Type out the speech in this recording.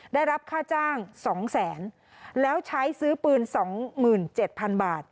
ได้รับค่าจ้างสองแสนแล้วใช้ซื้อปืนสองหมื่นเจ็ดพันบาท